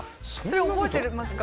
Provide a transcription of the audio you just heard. それ覚えてますか？